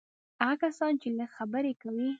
هغه کسان چې لږ خبرې کوي.